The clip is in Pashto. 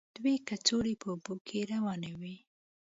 دوه کڅوړې په اوبو کې روانې وې.